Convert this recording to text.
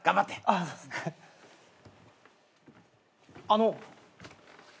あの。